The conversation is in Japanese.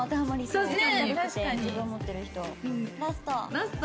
ラスト！